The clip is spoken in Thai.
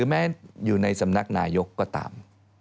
แม้อยู่ในสำนักนายกก็ตาม